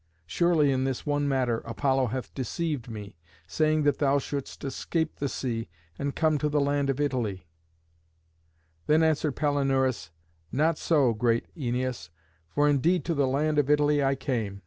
Surely, in this one matter, Apollo hath deceived me, saying that thou shouldst escape the sea and come to the land of Italy." [Illustration: CHARON AND THE GHOSTS.] Then answered Palinurus, "Not so, great Æneas. For indeed to the land of Italy I came.